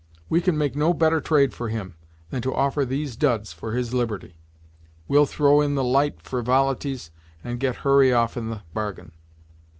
We can make no better trade for him, than to offer these duds for his liberty. We'll throw in the light frivol'ties, and get Hurry off in the bargain."